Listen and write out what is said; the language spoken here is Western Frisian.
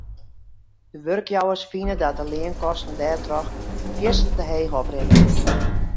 De wurkjouwers fine dat de leankosten dêrtroch fierstente heech oprinne.